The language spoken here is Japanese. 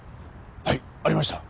はいありました。